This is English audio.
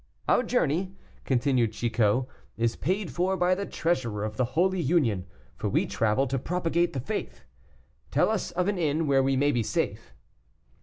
"Our journey," continued Chicot, "is paid for by the treasurer of the Holy Union, for we travel to propagate the faith. Tell us of an inn where we may be safe."